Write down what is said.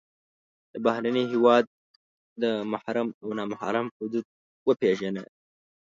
د بهرني هېواد د محرم او نا محرم حدود وپېژنه.